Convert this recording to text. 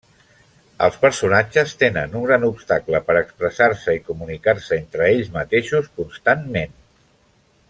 Els personatges tenen un gran obstacle per expressar-se i comunicar-se entre ells mateixos constantment.